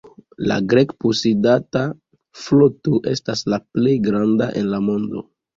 La Grek-posedata floto estas la plej granda en la mondo.